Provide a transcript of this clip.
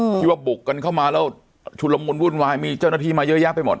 ที่ว่าบุกกันเข้ามาแล้วชุดละมุนวุ่นวายมีเจ้าหน้าที่มาเยอะแยะไปหมด